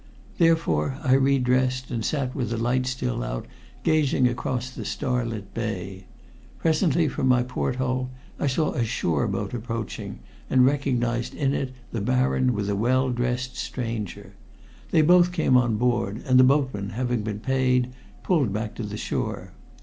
Therefore I redressed and sat with the light still out, gazing across the starlit bay. Presently from my port hole I saw a shore boat approaching, and recognized in it the Baron with a well dressed stranger. They both came on board, and the boatman, having been paid, pulled back to the shore.